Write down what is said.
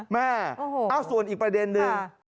แม่ส่วนอีกประเด็นนึง